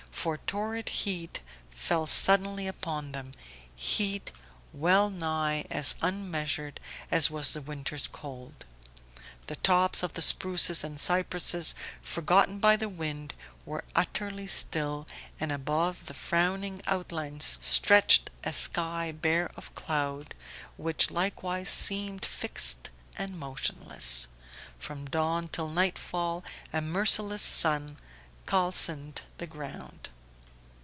For torrid heat fell suddenly upon them, heat well nigh as unmeasured as was the winter's cold. The tops of the spruces and cypresses, forgotten by the wind, were utterly still, and above the frowning outline stretched a sky bare of cloud which likewise seemed fixed and motionless. From dawn till nightfall a merciless sun calcined the ground.